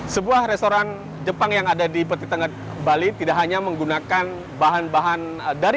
sebuah restoran jepang yang ada di peti tengah bali tidak hanya menggunakan bahan bahan dari